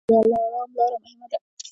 د دلارام لاره مهمه ده